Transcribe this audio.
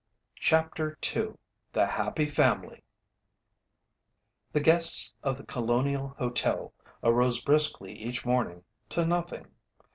CHAPTER II "THE HAPPY FAMILY" The guests of the Colonial Hotel arose briskly each morning to nothing.